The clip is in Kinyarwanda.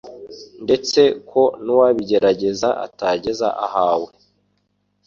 ndetse ko n'uwabigerageza atageza ahawe